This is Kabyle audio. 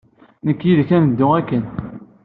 Nekk yid-k ad neddu akken.